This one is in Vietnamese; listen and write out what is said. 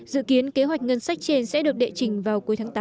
dự kiến kế hoạch ngân sách trên sẽ được đệ trình vào cuối tháng tám